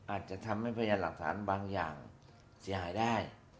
อาจจะทำให้พยานหลักฐานบางอย่างเสียหายได้